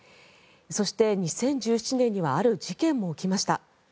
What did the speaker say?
そして２０１７年にはある事件も起きました。